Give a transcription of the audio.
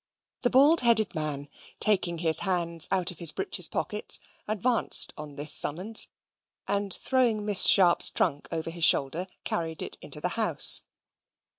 The bald headed man, taking his hands out of his breeches pockets, advanced on this summons, and throwing Miss Sharp's trunk over his shoulder, carried it into the house.